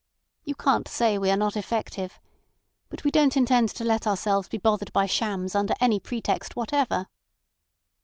You can't say we are not effective. But we don't intend to let ourselves be bothered by shams under any pretext whatever."